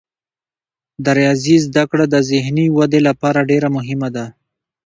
د ریاضي زده کړه د ذهني ودې لپاره ډیره مهمه ده.